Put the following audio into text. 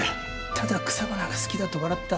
ただ草花が好きだと笑った。